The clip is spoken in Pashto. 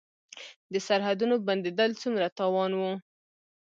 د سرحدونو بندیدل څومره تاوان و؟